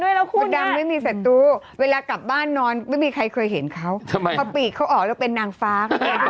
แล้วคุณดำไม่มีศัตรูเวลากลับบ้านนอนไม่มีใครเคยเห็นเขาทำไมพอปีกเขาออกแล้วเป็นนางฟ้า